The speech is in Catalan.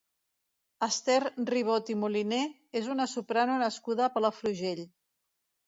Esther Ribot i Moliné és una soprano nascuda a Palafrugell.